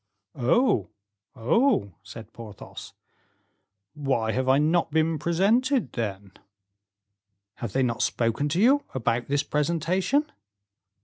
"Oh, oh!" said Porthos. "Why have I not been presented, then?" "Have they not spoken to you about this presentation?"